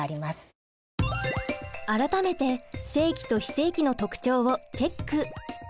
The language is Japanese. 改めて正規と非正規の特徴をチェック。